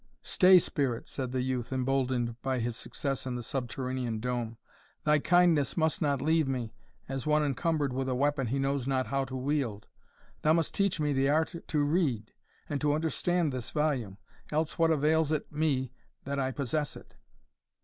"Stay, spirit!" said the youth, imboldened by his success in the subterranean dome, "thy kindness must not leave me, as one encumbered with a weapon he knows not how to wield. Thou must teach me the art to read, and to understand this volume; else what avails it me that I possess it?"